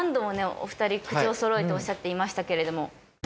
お二人口をそろえておっしゃっていましたけれども。